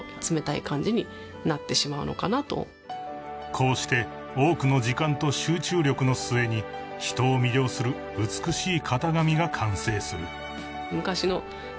［こうして多くの時間と集中力の末に人を魅了する美しい型紙が完成する］